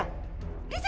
ini tidak benar